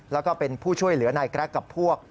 แล้วก็เป็นผู้ช่วยเหลือนายแกรกกับพวก